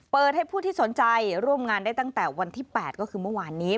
ให้ผู้ที่สนใจร่วมงานได้ตั้งแต่วันที่๘ก็คือเมื่อวานนี้